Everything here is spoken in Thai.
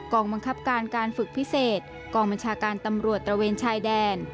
บังคับการการฝึกพิเศษกองบัญชาการตำรวจตระเวนชายแดน